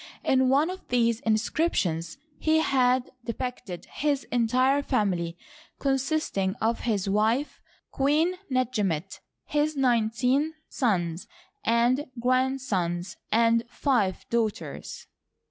In one of these inscriptions he had depicted his entire family, con sisting of his wife. Queen Netjemety his nineteen sons and grandsons, and five daughters.